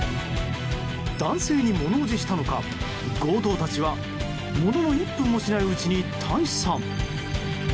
男性に物怖じしたのか強盗たちはものの１分もしないうちに退散。